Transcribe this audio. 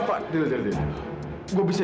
kau sudah sadar